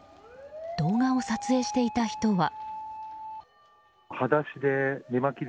動画を撮影していた人は。